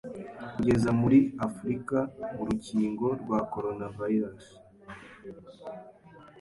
kugeza muri Afurika urukingo rwa Coronavirus